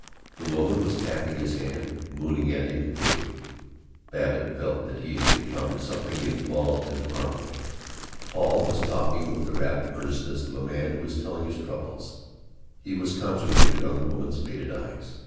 The woman was tapping his hand, mooning at him and giggling. Babbitt felt that he had encountered something involved and harmful. Paul was talking with the rapt eagerness of a man who is telling his troubles. He was concentrated on the woman's faded eyes.